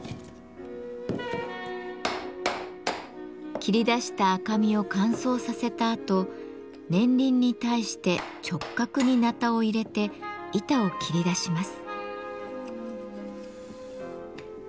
切り出した赤身を乾燥させたあと年輪に対して直角にナタを入れて板を切り出します。